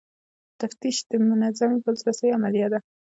تفتیش د منظمې بازرسۍ عملیه ده.